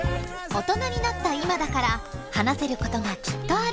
オトナになった今だから話せることがきっとある。